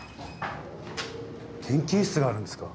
研究室があるんですか？